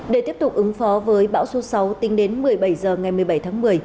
để tiếp tục ứng phó với bão số sáu tính đến một mươi bảy h ngày một mươi bảy tháng một mươi